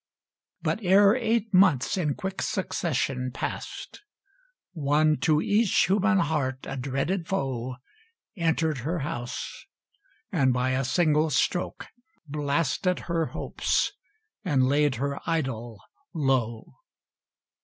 But ere eight months in quick succession passed, One to each human heart a dreaded foe, Entered her house, and by a single stroke, Blasted her hopes, and laid her idol low.